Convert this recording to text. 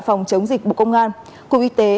phòng chống dịch bộ công an của y tế